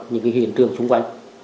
những cái hiện trường xung quanh